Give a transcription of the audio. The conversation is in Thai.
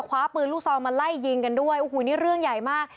คว้าปืนลูกซองมาไล่ยิงกันด้วยโอ้โหนี่เรื่องใหญ่มาก